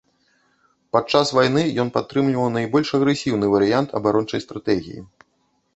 Падчас вайны ён падтрымліваў найбольш агрэсіўны варыянт абарончай стратэгіі.